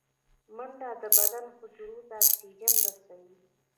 منډه د بدن حجرو ته اکسیجن رسوي